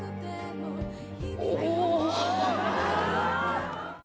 お！